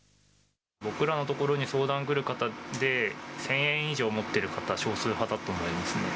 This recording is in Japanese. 僕らのところに相談来る方で、１０００円以上持ってる方、少数派だと思いますね。